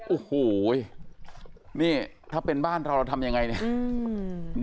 โอ้โหนี่ถ้าเป็นบ้านเราเราทำยังไงเนี่ยอืม